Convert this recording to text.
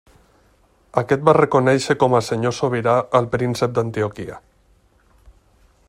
Aquest va reconèixer com a senyor sobirà al príncep d'Antioquia.